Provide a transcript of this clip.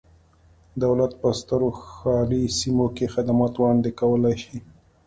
دولت په سترو ښاري سیمو کې خدمات وړاندې کولای شي.